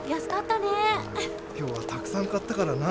今日はたくさん買ったからな。